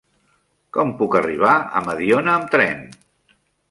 Com puc arribar a Mediona amb tren?